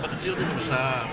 yang kecil itu besar